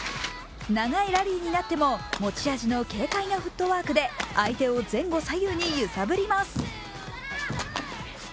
長いラリーになっても持ち味の軽快なフットワークで相手を前後左右に揺さぶります。